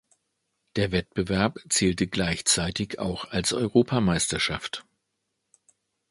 Der Wettbewerb zählte gleichzeitig auch als Europameisterschaft.